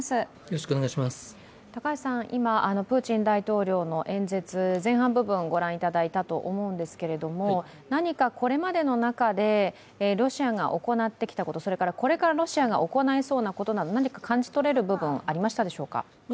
高橋さん、今プーチン大統領の演説の前半部分をご覧いただいたと思うんですが、これまでの中でロシアが行ってきたこと、これからロシアが行いそうなこと、何か感じ取れる部分ありましたでしょうか？